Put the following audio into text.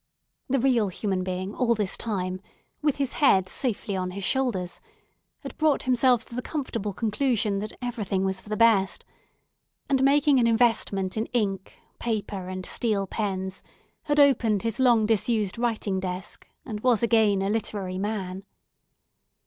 The real human being all this time, with his head safely on his shoulders, had brought himself to the comfortable conclusion that everything was for the best; and making an investment in ink, paper, and steel pens, had opened his long disused writing desk, and was again a literary man.